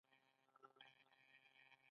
هغه بايد دا خبره ټولو خلکو ته ثابته کړې وای.